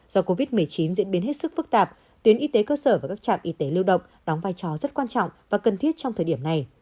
do covid một mươi chín diễn biến hết sức phức tạp tuyến y tế cơ sở và các trạm y tế lưu động đóng vai trò rất quan trọng và cần thiết trong thời điểm này